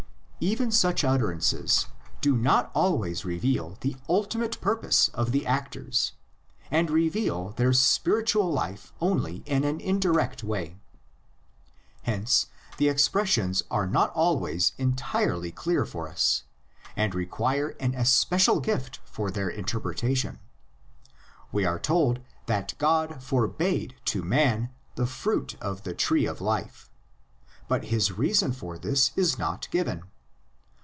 Even such utterances do not always reveal the ultimate purpose of the actors, and reveal their spirit ual life only in an indirect way. Hence the expres sions are not always entirely clear for us, and require an especial gift for their interpretation. We are told that God forbade to man the fruit of the tree of life, but his reason for this is not given.